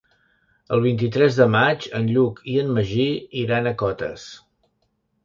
El vint-i-tres de maig en Lluc i en Magí iran a Cotes.